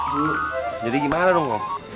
bu jadi gimana dong